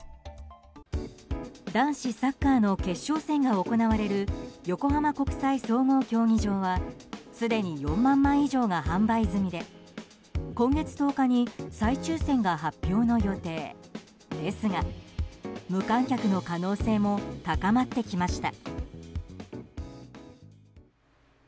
男子サッカーの決勝戦が行われる横浜国際総合競技場はすでに４万枚以上が販売済みで今月１０日に再抽選が発表の予定ですが無観客の可能性も高まってきました。